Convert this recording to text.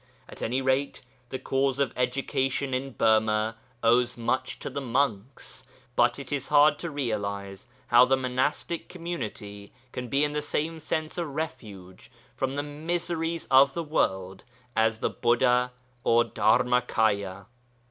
At any rate, the cause of education in Burma owes much to the monks, but it is hard to realize how the Monastic Community can be in the same sense a 'refuge' from the miseries of the world as the Buddha or Dharmakâya.